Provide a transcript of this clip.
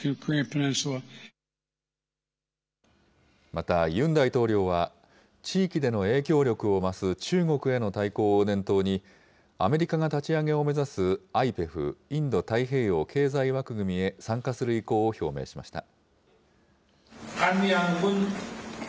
また、ユン大統領は地域での影響力を増す中国への対抗を念頭に、アメリカが立ち上げを目指す、ＩＰＥＦ・インド太平洋経済枠組みへ参加する意向を表明しました。